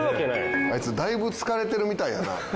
あいつだいぶ疲れてるみたいやな。